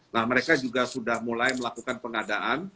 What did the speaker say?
nah mereka juga sudah mulai melakukan pengadaan